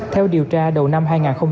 theo điều tra đầu năm hai nghìn hai mươi ba